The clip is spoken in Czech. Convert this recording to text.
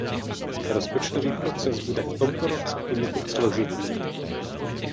Rozpočtový proces bude v tomto roce poněkud složitý.